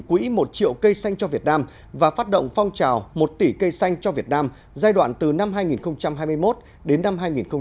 quỹ một triệu cây xanh cho việt nam và phát động phong trào một tỷ cây xanh cho việt nam giai đoạn từ năm hai nghìn hai mươi một đến năm hai nghìn hai mươi năm